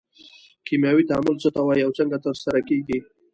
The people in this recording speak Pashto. کیمیاوي تعامل څه ته وایي او څنګه ترسره کیږي